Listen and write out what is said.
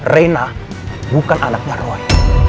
reina bukan anaknya roy